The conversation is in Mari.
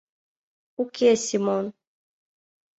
Уке, Семон.